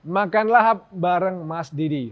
makanlahap bareng mas didi